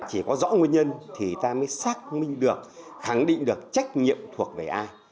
chỉ có rõ nguyên nhân thì ta mới xác minh được khẳng định được trách nhiệm thuộc về ai